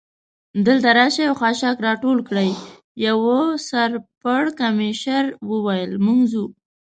دلته راشئ او خاشاک را ټول کړئ، یوه سر پړکمشر وویل: موږ ځو.